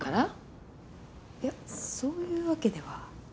いやそういうわけでは。